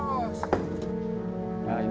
bud berapa semuanya